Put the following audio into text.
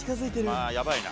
ああやばいな。